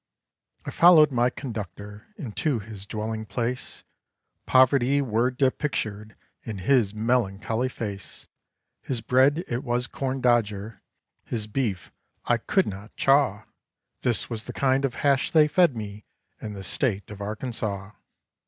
I followed my conductor into his dwelling place; Poverty were depictured in his melancholy face. His bread it was corn dodger, his beef I could not chaw; This was the kind of hash they fed me in the State of Arkansaw.